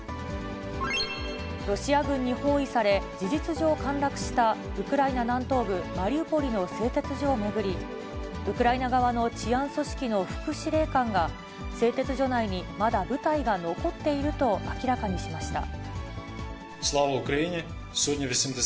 ロシア軍に包囲され、事実上陥落したウクライナ南東部マリウポリの製鉄所を巡り、ウクライナ側の治安組織の副司令官が、製鉄所内にまだ部隊が残っていると明らかにしました。